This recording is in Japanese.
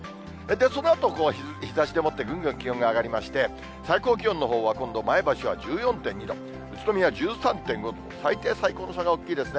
そのあと、日ざしでもって、ぐんぐん気温が上がりまして、最高気温のほうは、今度は前橋は１４．２度、宇都宮１３．５度、最低と最高の差が大きいですね。